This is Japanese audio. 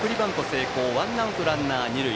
成功でワンアウトランナー、二塁。